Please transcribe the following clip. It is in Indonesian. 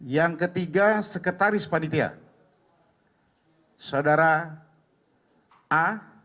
yang ketiga sekretaris panitia saudara a